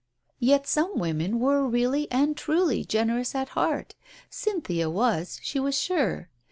Yet some women were really and truly generous at heart — Cynthia was, she was sure.